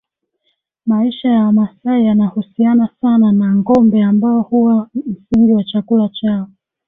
Maisha ya Wamasai yanahusiana sana na ngombe ambao huwa msingi wa chakula chao